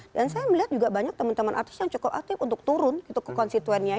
dan saya melihat juga banyak teman teman artis yang cukup aktif untuk turun ke konstituennya